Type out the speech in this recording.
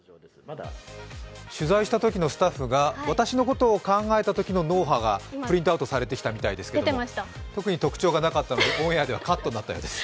取材したときのスタッフが、私のことを考えたときの脳はがプリントアウトされてきたみたいですけど特に特徴がなかったのでオンエアではカットされたそうです。